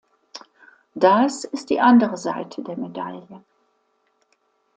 Das ist die andere Seite der Medaille.